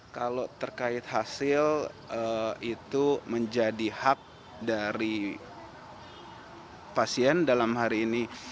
kalau terkait hasil itu menjadi hak dari pasien dalam hari ini